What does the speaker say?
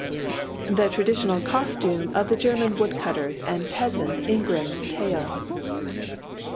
The traditional costume of the German wood cutters and peasants in Grimm's Tales.